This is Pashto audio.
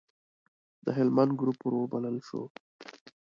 د هلمند ګروپ وروبلل شو.